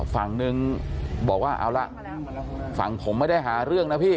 ฝั่งนึงบอกว่าเอาละฝั่งผมไม่ได้หาเรื่องนะพี่